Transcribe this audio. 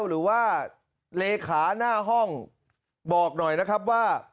หรือว่าเลขาหน้าห้องบอกหน่อยนะครับว่า